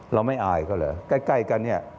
เราไม่อายเขาเหรอใกล้กันเนี่ย